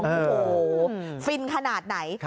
โอ้โหฟินขนาดไหน